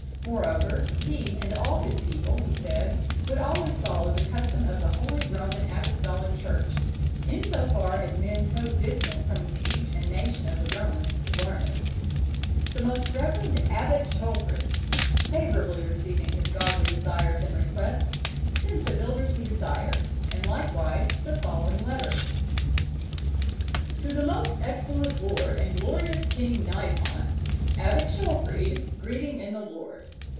Moreover, he and all his people, he said, would always follow the custom of the holy Roman Apostolic Church, in so far as men so distant from the speech and nation of the Romans could learn it. The most reverend Abbot Ceolfrid favourably receiving his godly desires and requests, sent the builders he desired, and likewise the following letter:(951) "_To the most excellent lord, and glorious King Naiton, Abbot Ceolfrid, greeting in the Lord.